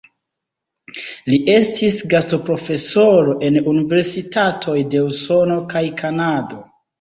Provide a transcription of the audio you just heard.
Li estis gastoprofesoro en universitatoj de Usono kaj Kanado.